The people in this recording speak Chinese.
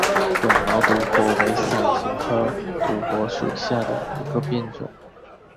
短毛独活为伞形科独活属下的一个变种。